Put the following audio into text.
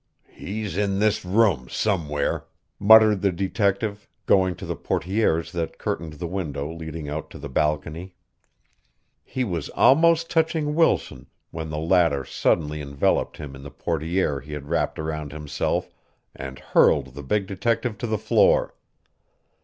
"He's in this room somewhere," muttered the detective, going to the portières that curtained the window leading out to the balcony. He was almost touching Wilson when the latter suddenly enveloped him in the portière he had wrapped around himself and hurled the big detective to the floor.